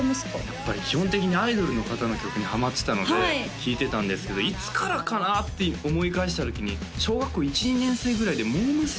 やっぱり基本的にアイドルの方の曲にハマってたので聴いてたんですけどいつからかなって思い返した時に小学校１２年生ぐらいでモー娘。